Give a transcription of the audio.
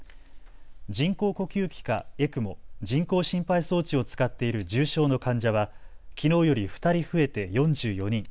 人工呼吸器かＥＣＭＯ・人工心肺装置を使っている重症の患者はきのうより２人増えて４４人。